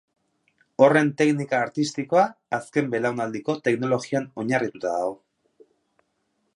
Horren teknika artistikoa azken belaunaldiko teknologian oinarrituta dago.